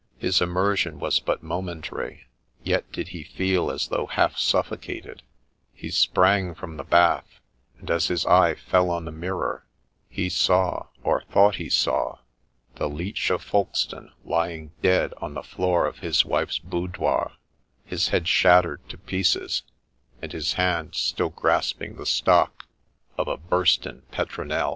His immersion was but momentary, yet did be feel as though half suffocated : he sprang from the bath, and, as his eye fell on the mirror, he saw, — or thought he saw, — the Leech of Folkestone lying dead on the floor of his wife's boudoir, his head shattered to pieces, and his hand still grasping the stock of a bursten petronel.